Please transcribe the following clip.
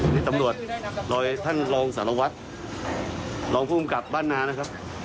นี่ตำรวจรอยท่านรองสารวัตรรองภูมิกับบ้านนานะครับ